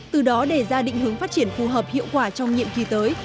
từ đó đề ra định hướng phát triển phù hợp hiệu quả trong nhiệm kỳ tới